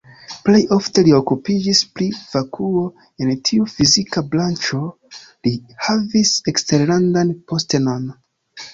Plej ofte li okupiĝis pri vakuo, en tiu fizika branĉo li havis eksterlandan postenon.